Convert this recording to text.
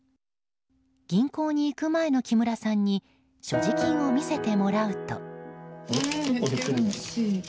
銀行に行く前の木村さんに所持金を見せてもらうと。